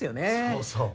そうそう。